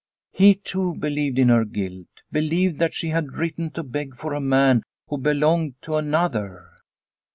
He, too, believed in her guilt, believed that she had written to beg for a man who belonged to another.